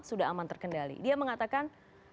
sudah aman terkendali dia mengatakan